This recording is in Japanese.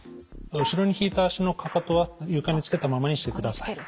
後ろに引いた足のかかとは床につけたままにしてください。